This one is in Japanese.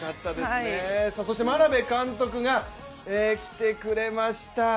そして眞鍋監督が来てくれました。